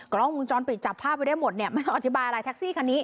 กล้องวงจรปิดจับภาพไว้ได้หมดเนี่ยไม่ต้องอธิบายอะไรแท็กซี่คันนี้